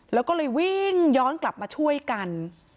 แล้วก็เลยวิ่งย้อนกลับมาช่วยกัน